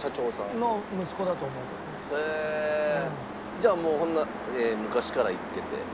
じゃあもう昔から行ってて？